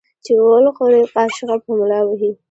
چي غول خوري ، کاچوغه په ملا کې وهي.